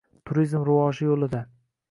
Turizm rivoji yo‘lida